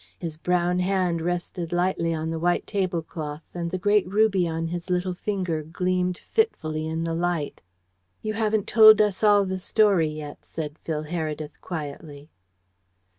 His brown hand rested lightly on the white tablecloth, and the great ruby on his little finger gleamed fitfully in the light. "You haven't told us all the story yet," said Phil Heredith quietly.